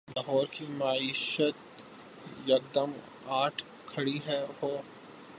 لاہور کی معیشت یکدم اٹھ کھڑی ہو۔